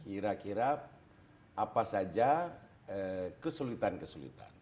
kira kira apa saja kesulitan kesulitan